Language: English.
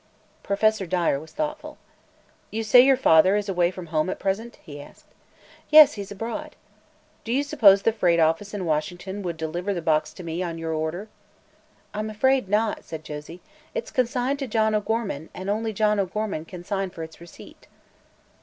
Professor Dyer was thoughtful. "You say your father is away from home at present?" he asked. "Yes; he's abroad." "Do you suppose the freight office in Washington would deliver the box to me, on your order?" "I'm afraid not," said Josie, "It's consigned to John O'Gorman, and only John O'Gorman can sign for its receipt."